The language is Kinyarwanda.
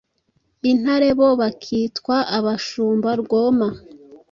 intare bo bakitwa abashumba rwoma.